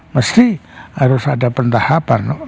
mesti harus ada pentahapan